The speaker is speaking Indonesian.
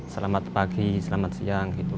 selamat pagi selamat siang